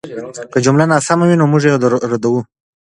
که جمله ناسمه وه، نو موږ یې ردوو.